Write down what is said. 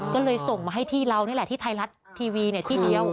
ก็เลยส่งมาให้ที่เรานี่แหละที่ไทยรัฐทีวีที่เดียว